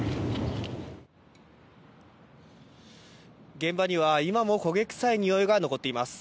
現場には今も焦げ臭いにおいが残っています。